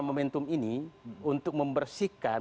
momentum ini untuk membersihkan